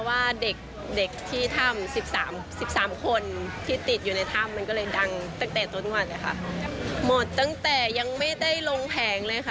๑๐แล้วก็มี๖๖ที่ขายดี